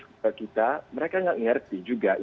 kepada kita mereka tidak mengerti juga